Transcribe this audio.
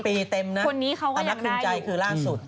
ปีเต็มนะอนักคิมใจคือล่างสุด